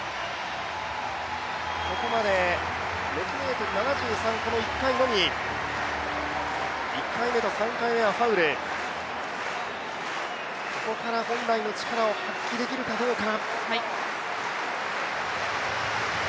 ここまで６ｍ７３の１回のみ、１回目と３回目はファウル、ここから本来の力を発揮できるかどうか。